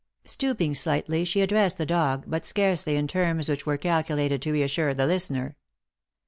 Stooping slightly she addressed the dog, but scarcely in terms which were calculated to reassure the listener.